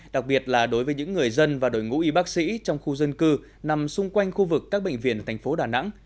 đặc biệt là đối với những người dân và đội ngũ y bác sĩ trong khu dân cư nằm xung quanh khu vực các bệnh viện thành phố đà nẵng